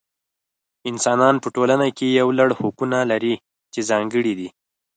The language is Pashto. انسانان په ټولنه کې یو لړ حقونه لري چې ځانګړي دي.